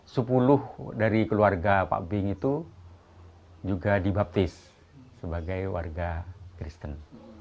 sepuluh dari keluarga pak bing itu juga dibaptis sebagai warga kristen